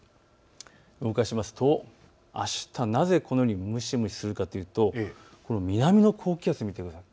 動かしますとあした、なぜこのように蒸し蒸しするかというと南の高気圧、見てください。